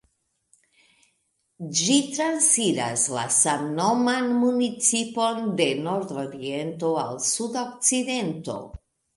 Ĝi transiras la samnoman municipon de nordoriento al sudokcidento.